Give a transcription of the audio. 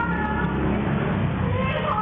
ผมขอโทษแล้วนะ